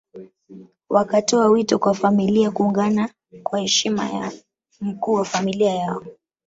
Wakatoa wito kwa familia kuungana kwa heshima ya mkuu wa familia yao